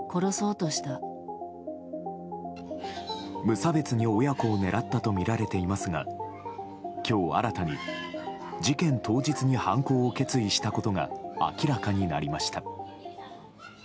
無差別に親子を狙ったとみられていますが今日新たに、事件当日に犯行を決意したことが明らかになりました。